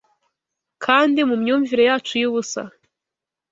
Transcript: Kandi, mumyumvire yacu yubusa